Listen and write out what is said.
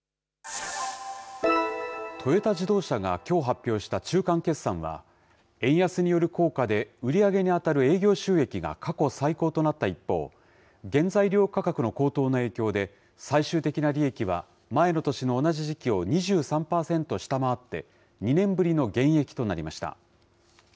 トヨタ自動車がきょう発表した中間決算は、円安による効果で、売り上げに当たる営業収益が過去最高となった一方、原材料価格の高騰の影響で、最終的な利益は前の年の同じ時期を２３％下回って、２年ぶりの減益となりました。